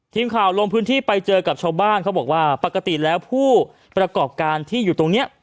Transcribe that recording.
ทีมข่าวลงพื้นที่ไปเจอกับชาวบ้านเขาบอกว่าปกติแล้วผู้ประกอบการที่อยู่ตรงนี้